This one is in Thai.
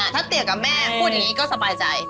ถ้าเตี๋ยกับแม่พูดอย่างนี้ก็สบายใจ